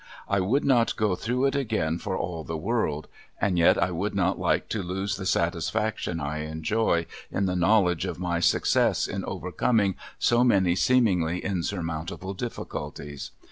I would not go through it again for all the world, and yet I would not like to lose the satisfaction I enjoy in the knowledge of my success in overcoming so many seemingly insurmountable difficulties.